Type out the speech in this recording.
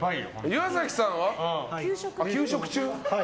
岩崎さんは求職中。